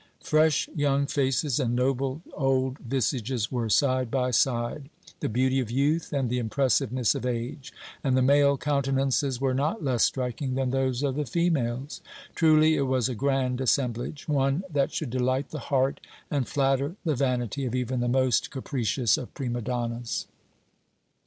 Fresh young faces and noble old visages were side by side, the beauty of youth and the impressiveness of age, and the male countenances were not less striking than those of the females. Truly, it was a grand assemblage, one that should delight the heart and flatter the vanity of even the most capricious of prima donnas.